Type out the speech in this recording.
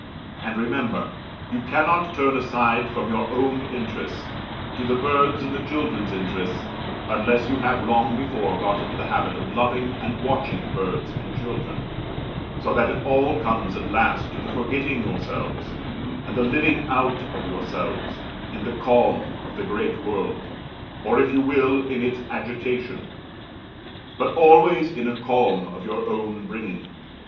And remember, you cannot turn aside from your own interests, to the birds' and the children's interests, unless you have long before got into the habit of loving and watching birds and children; so that it all comes at last to the forgetting yourselves, and the living out of yourselves, in the calm of the great world, or if you will, in its agitation; but always in a calm of your own bringing.